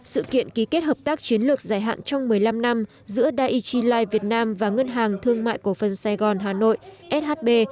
sự kiện ký kết hợp tác chiến lược dài hạn trong một mươi năm năm giữa daegi life việt nam và ngân hàng thương mại cổ phân sài gòn hà nội shb